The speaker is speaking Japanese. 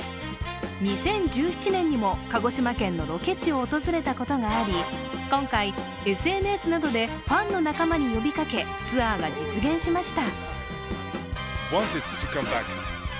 ２０１７年にも鹿児島県のロケ地を訪れたことがあり今回、ＳＮＳなどでファンの仲間に呼びかけ、ツアーが実現しました。